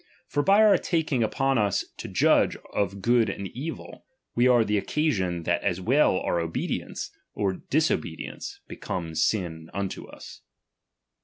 For by our taking upon us to judge of good and evil, we are the occasion that as well o\a obedience, as disobedience, becomes sin unto us, 3.